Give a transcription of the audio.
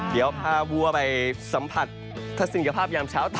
เดี๋ยวพาวัวไปสัมผัสทัศนียภาพยามเช้าต่อ